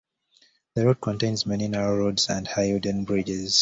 The route contains many narrow roads and high wooden bridges.